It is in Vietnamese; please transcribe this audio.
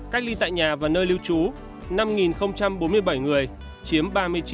cách ly tại nhà và nơi lưu trú năm bốn mươi bảy người chiếm ba mươi chín